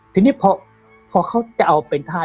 ทีนี้พอเขาจะเอาเป็นธาตุ